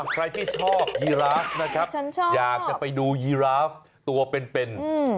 ใครที่ชอบยีราฟนะครับอยากจะไปดูยีราฟตัวเป็น